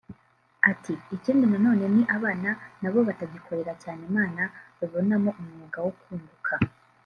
Ati “Ikindi na none ni abana na bo batagikorera cyane Imana babibonamo umwuga wo kunguka